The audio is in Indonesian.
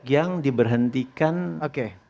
yang diberhentikan oke